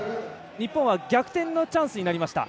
日本は逆転のチャンスになりました。